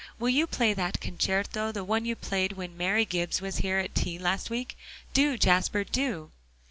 will you play that concerto, the one you played when Mary Gibbs was here at tea last week? Do, Jasper, do."